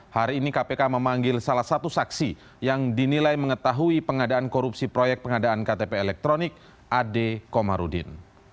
hari ini kpk memanggil salah satu saksi yang dinilai mengetahui pengadaan korupsi proyek pengadaan ktp elektronik ade komarudin